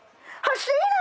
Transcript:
欲しいの。